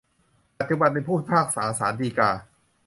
ปัจจุบันเป็นผู้พิพากษาศาลฎีกา